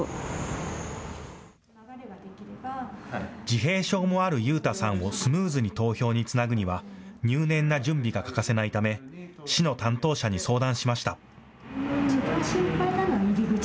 自閉症もある悠太さんをスムーズに投票につなぐには入念な準備が欠かせないため市の担当者に相談しました。